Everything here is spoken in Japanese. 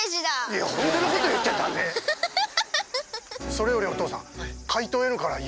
それよりお父さん。